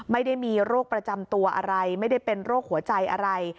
ไม่ได้มีโรคประจำตัวอะไรไม่ได้เป็นโรคหัวใจอะไร